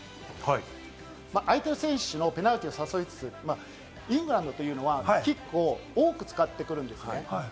相手選手のペナルティーを誘いつつ、イングランドというのはキックを多く使ってくるんです。